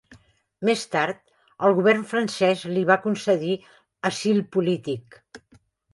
Més tard, el govern francès li va concedir asil polític.